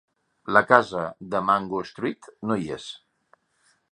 La casa de Mango Street no hi és.